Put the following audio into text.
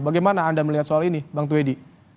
bagaimana anda melihat soal ini bang tuwedi